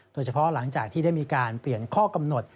หลังจากที่ได้มีการเปลี่ยนข้อกำหนด